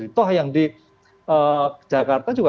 apakah ada kekhawatiran atau tidak